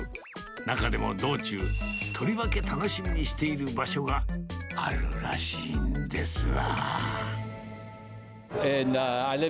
中でも道中、とりわけ楽しみにしている場所があるらしいんですわ。